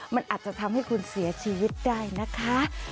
มันอาจจะทำให้คุณเสียชีวิตได้นะคะ